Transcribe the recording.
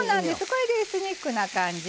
これでエスクニックな感じ。